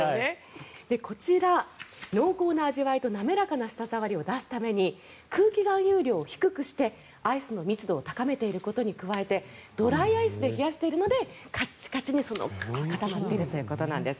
こちら、濃厚な味わいと滑らかな舌触りを出すために空気含有量を低くしてアイスの密度を高めていることに加えてドライアイスで冷やしているのでカッチカチに固まっているということなんです。